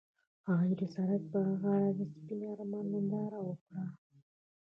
هغوی د سړک پر غاړه د سپین آرمان ننداره وکړه.